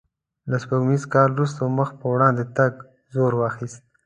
له سپوږمیز کال وروسته مخ په وړاندې تګ زور واخیست.